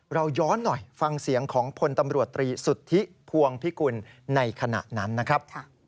เราย้อนหน่อยฟังเสียงของพลตำรวจตรีสุทธิพวงพิกุลในขณะนั้นนะครับ